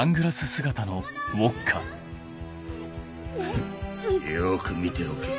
・フッよく見ておけ。